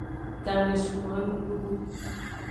Game sun no enududu.